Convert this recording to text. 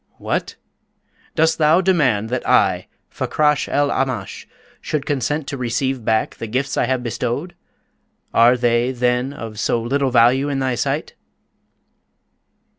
"What? Dost thou demand that I, Fakrash el Aamash, should consent to receive back the gifts I have bestowed? Are they, then, of so little value in thy sight?"